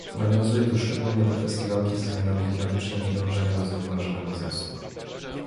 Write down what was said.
Nawiązuję tu szczególnie do kwestii walki ze zmianami klimatycznymi i dążenia do zrównoważonego wzrostu